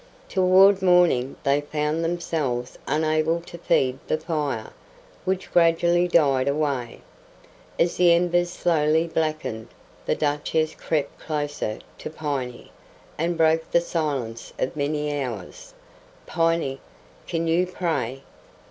Toward morning they found themselves unable to feed the fire, which gradually died away. As the embers slowly blackened, the Duchess crept closer to Piney, and broke the silence of many hours: "Piney, can you pray?"